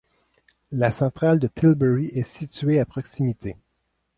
La centrale de Tilbury est située à proximité.